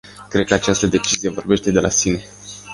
Cred că această decizie vorbește de la sine.